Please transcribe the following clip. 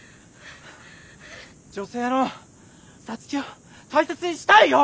女性の皐月を大切にしたいよ。